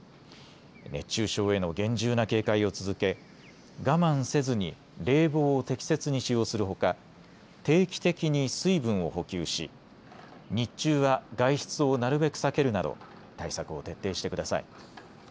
熱中症への厳重な警戒を続け我慢せずに冷房を適切に使用するほか、定期的に水分を補給し日中は外出をなるべく避けるなど対策を徹底してください。